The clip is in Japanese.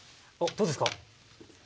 どうですか？